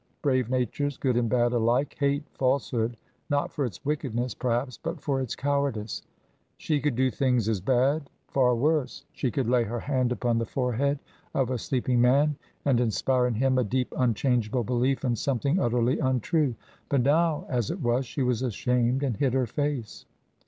Brave natures, good and bad alike, hate falsehood, not for its wickedness, perhaps, but for its cowardice. She could do things as bad, far worse. She could lay her hand upon the forehead of a sleeping man and inspire in him a deep, unchangeable belief in something utterly untrue; but now, as it was, she was ashamed and hid her face.